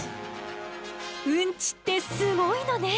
ウンチってすごいのね！